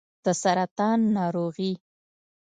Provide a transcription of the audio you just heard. د سرطان ناروغي